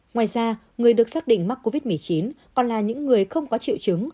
ngoài ra người được xác định mắc covid một mươi chín còn là những người không có triệu chứng